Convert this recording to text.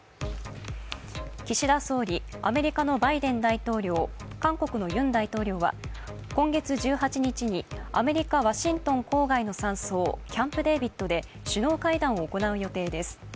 岸田総理、アメリカのバイデン大統領、韓国のユン大統領は、今月１８日にアメリカ・ワシントン郊外の山荘、キャンプデービッドで首脳会談を行う予定です。